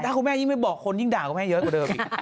ถ้าคุณแม่ยิ่งไม่บอกคนยิ่งด่าคุณแม่เยอะกว่าเดิมอีก